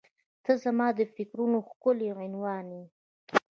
• ته زما د فکرونو ښکلی عنوان یې.